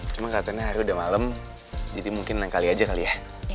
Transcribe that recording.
cuma katanya hari udah malam jadi mungkin enam kali aja kali ya